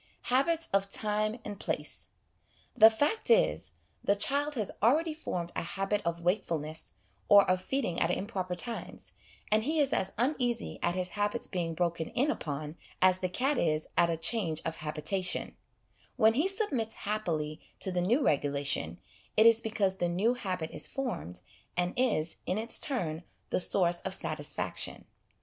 Habits of Time and Place. The fact is, the child has already formed a habit of wakefulness or of feed ing at improper times, and he is as uneasy at his habits being broken in upon as the cat is at a change of habitation ; when he submits happily to the new regulation, it is because the new habit is formed, and is, in its turn, the source of satisfaction.